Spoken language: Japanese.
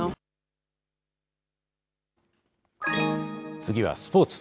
次はスポーツ。